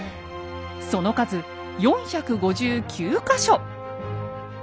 その数４５９か所。